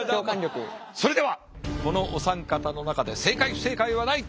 それではこのお三方の中で正解不正解はないという。